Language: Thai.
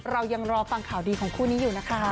เรายังรอฟังข่าวดีของคู่นี้อยู่นะคะ